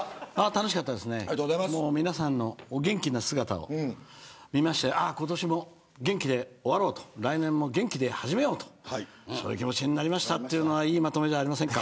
楽しかったですね、もう皆さんの元気な姿を見まして今年も元気で終わろうと来年も元気で始めようとそういう気持ちになりましたというのはいいまとめじゃありませんか。